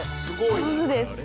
上手です。